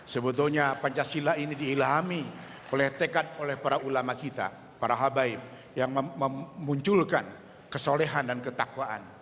sebetulnya pancasila ini diilhami oleh tekad oleh para ulama kita para habaib yang memunculkan kesolehan dan ketakwaan